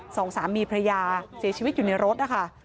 สองสามีพระยาเสียชีวิตอยู่ในรถนะคะ